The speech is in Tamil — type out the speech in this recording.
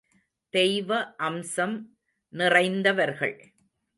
தெய்வ அம்சம் நிறைந்தவர்கள்.